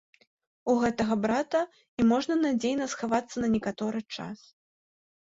У гэтага брата і можна надзейна схавацца на некаторы час.